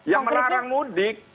ya melarang mudik